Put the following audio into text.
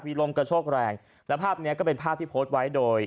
มีลมกระโชกแรงและภาพเนี้ยก็เป็นภาพที่โพสต์ไว้โดย